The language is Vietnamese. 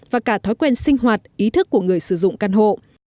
và cả thói quen sinh hoạt ý thức của người sử dụng căn hộ